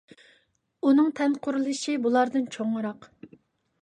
ئۇنىڭ تەن قۇرۇلۇشى بۇلاردىن چوڭراق.